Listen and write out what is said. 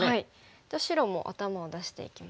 じゃあ白も頭を出していきます。